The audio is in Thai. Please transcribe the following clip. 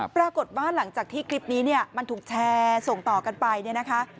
ปรากฏว่าหลังจากที่คลิปนี้มันถูกแชร์ส่งต่อกันไป